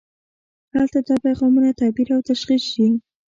هلته دا پیغامونه تعبیر او تشخیص شي.